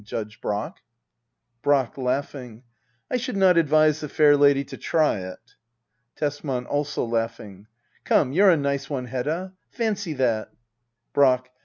Judge Brack. Brack. [Ijaughing,] I should not advise the fair lady to try it. Tesman. [Also laughing,] Come, you're a nice one Hedda 1 Fancy that ! Brack.